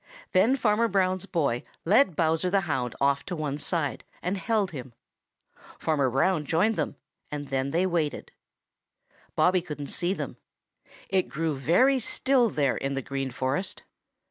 Then Farmer Brown's boy led Bowser the Hound off to one side and held him. Farmer Brown joined them, and then they waited. Bobby couldn't see them. It grew very still there in the Green Forest.